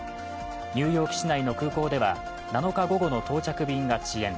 ニューヨーク市内の空港では７日午後の到着便が遅延。